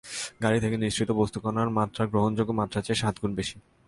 গাড়ি থেকে নিঃসৃত বস্তুকণার মাত্রা গ্রহণযোগ্য মাত্রার চেয়ে সাত গুণ বেশি।